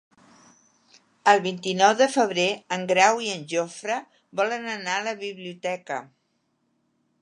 El vint-i-nou de febrer en Grau i en Jofre volen anar a la biblioteca.